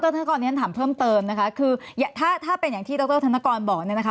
ดรธนกรถามเพิ่มเติมถ้าเป็นอย่างที่ดรธนกรบอก